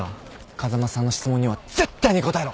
風間さんの質問には絶対に答えろ。